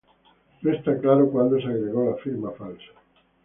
No está claro cuándo se agregó la firma falsa.